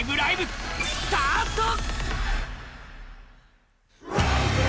スタート！